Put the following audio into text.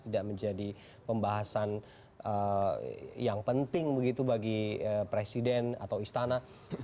tidak menjadi pembahasan yang penting begitu bagi presiden atau istana